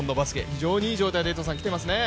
非常にいい状態できてますね。